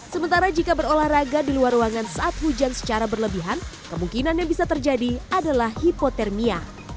sementara jika berolahraga di luar ruangan saat hujan secara berlebihan kemungkinan yang bisa terjadi adalah hipotermia